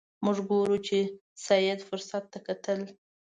موږ ګورو چې سید فرصت ته کتل.